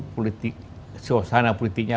politik suasana politiknya